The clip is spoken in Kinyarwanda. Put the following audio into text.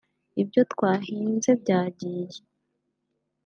ibyo twahinze byagiye